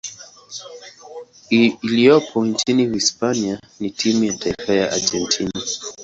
iliyopo nchini Hispania na timu ya taifa ya Argentina.